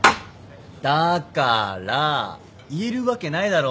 だから言えるわけないだろ。